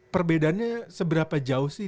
perbedaannya seberapa jauh sih